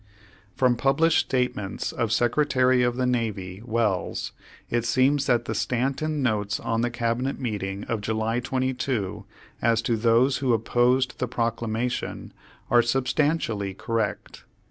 From published statements of Secretary of the Navy Wells, it seems that the Stanton notes on the cabinet meeting of July 22, as to those who opposed the Proclamation, are substantially cor rect.